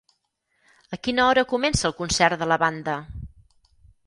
A quina hora comença el concert de la banda?